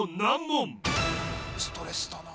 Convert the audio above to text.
ストレスだな